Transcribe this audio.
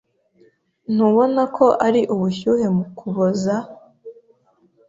Ntubona ko ari ubushyuhe mu Kuboza?